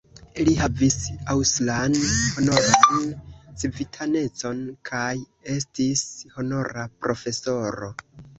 Li havis aŭstran honoran civitanecon kaj estis honora profesoro.